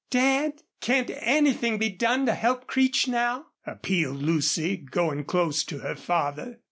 "Dad, can't anything be done to help Creech now?" appealed Lucy, going close to her father.